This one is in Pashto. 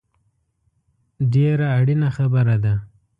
ډېره اړینه خبره ده